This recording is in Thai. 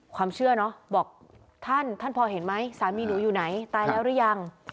ความเชื่อเนอะบอกท่านท่านพอเห็นไหมสามีหนูอยู่ไหนตายแล้วหรือยัง